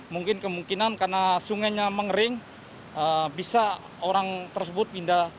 mungkin kemungkinan karena sungainya mengering bisa orang tersebut pindah aluan mungkin ke